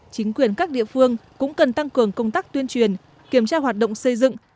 chính quyền các địa phương cũng cần tăng cường công tác tuyên truyền kiểm tra hoạt động xây dựng